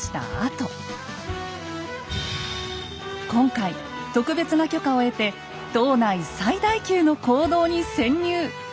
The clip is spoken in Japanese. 今回特別な許可を得て島内最大級の坑道に潜入。